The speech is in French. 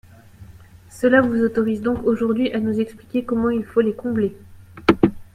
Cela vous autorise donc aujourd’hui à nous expliquer comment il faut les combler.